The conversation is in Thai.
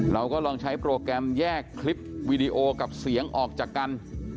เราก็ลองใช้โปรแกรมแยกคลิปวีดีโอกับเสียงออกจากกัน